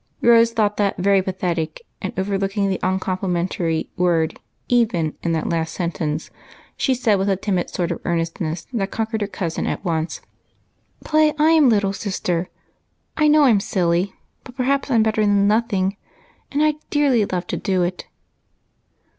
Rose thought that very pathetic, and, overlooking the uncomplimentary word " even" in that last sentence, she said, with a timid sort of earnestness that conquered her cousin at once, —" Play I was a little sister. I know I 'm silly, but perhaps I 'm better than nothing, and I 'd dearly love to do it."